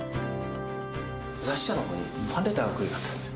雑誌社のほうにファンレターが来るようになったんです。